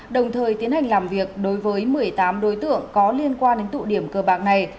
đồng thời tiến hành làm việc đối với một mươi tám đối tượng có liên quan đến tụ điểm cờ bạc này